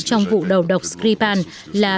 trong vụ đầu độc skripal là